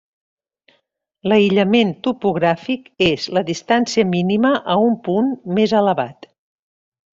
L'aïllament topogràfic és la distància mínima a un punt més elevat.